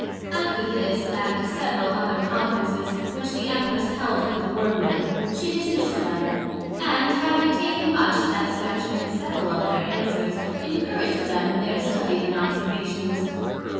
After this, and several other Conferences, which the Empress held with the Worm men, she dismissed them; and having taken much satisfaction in several of their Answers, encouraged them in their Studies and Observations.